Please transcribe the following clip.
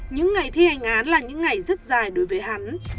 những ngày thi hành án là những ngày rất dài đối với hắn